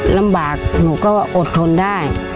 ลำบากหนูก็อดทนได้